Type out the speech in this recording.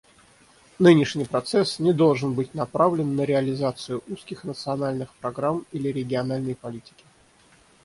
Нынешний процесс не должен быть направлен на реализацию узких национальных программ или региональной политики.